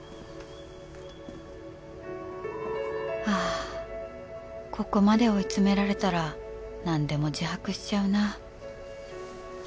あぁここまで追い詰められたらなんでも自白しちゃうな。